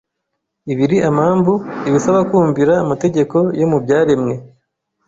Ibiri amambu, ibasaba kumvira amategeko yo mu byaremwe,